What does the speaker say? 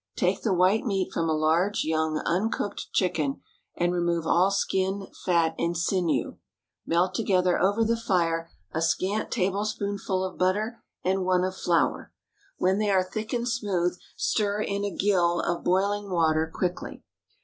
Take the white meat from a large, young, uncooked chicken, and remove all skin, fat, and sinew. Melt together over the fire a scant tablespoonful of butter and one of flour; when they are thick and smooth, stir in a gill of boiling water quickly.